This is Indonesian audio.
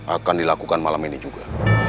akan dilakukan malam ini juga